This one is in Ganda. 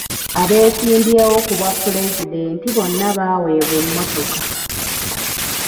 Abeesimbyewo ku bwa pulezidenti bonna baaweebwa emmotoka.